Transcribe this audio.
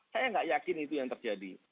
saya nggak yakin itu yang terjadi